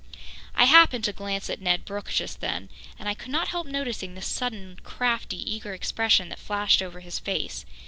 I happened to glance at Ned Brooke just then, and I could not help noticing the sudden crafty, eager expression that flashed over his face.